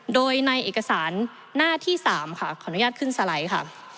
โดยในเอกสารหน้าที่๓ค่ะขออนุญาตขึ้นสไลด์ค่ะ